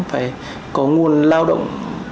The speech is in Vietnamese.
phải có nguồn lao động